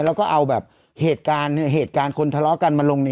เราก็เอาเหตุการณ์คนทะเลาะกันมาลง